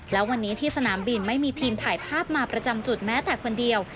และวันนี้ที่สนามบินไม่มีทีมถ่ายภาพมาประจำจุดแม้แต่คนเดียว